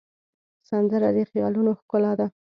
سندره د خیالونو ښکلا ده